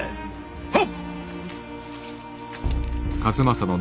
はっ！